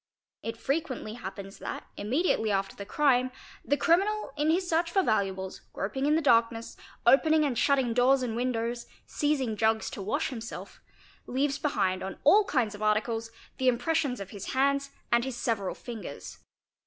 It frequently happens that, immediately after the crime, the criminal in bis search for valuables, groping in the darkness, opening and shutting doors and windows, seizing jugs to wash himself, leaves behind on all kinds of articles the impressions of his hands and his several fingers.